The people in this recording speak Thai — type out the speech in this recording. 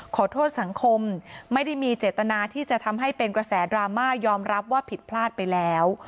ขอโทษสังคมไม่ได้มีเจตนาที่จะทำให้เป็นกระแสดราม่ายอมรับว่าผิดพลาดไปแล้ว